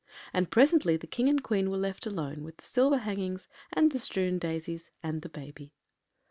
And presently the King and Queen were left alone with the silver hangings and the strewn daisies and the baby.